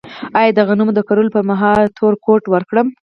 آیا د غنمو د کرلو پر مهال تور کود ورکړم؟